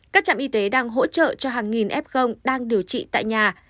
các trạm y tế đang hỗ trợ cho hàng nghìn f đang điều trị tại nhà